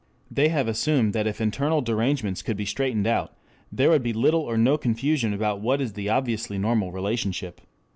They have assumed that if internal derangements could be straightened out, there would be little or no confusion about what is the obviously normal relationship.